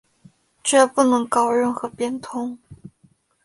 决不能搞任何变通